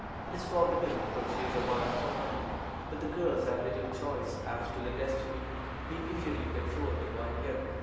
It is forbidden to purchase a wife for money; but the girls have little choice as to their destiny, being usually betrothed while young.